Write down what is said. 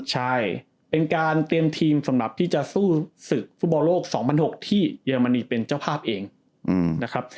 ใช่เป็นการเตรียมทีมสำหรับที่จะสู้ศึกฟุตบอลโลก๒๐๐๖ที่เยอรมนีเป็นเจ้าภาพเองนะครับ